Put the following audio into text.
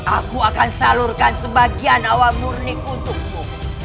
aku akan salurkan sebagian hawa murni untukmu